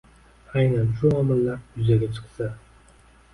Aynan shu omillar yuzaga chiqsa